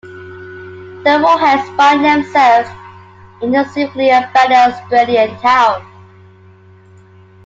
The Warheads find themselves in a seemingly abandoned Australian town.